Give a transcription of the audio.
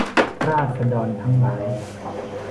ราษฎรทั้งหลาย